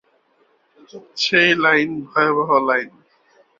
সেই লাইন ভয়াবহ লাইন।